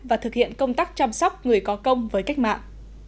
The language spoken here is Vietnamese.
và thực hiện công tác chăm sóc người có công với cách mạng